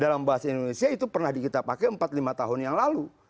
dalam bahasa indonesia itu pernah kita pakai empat lima tahun yang lalu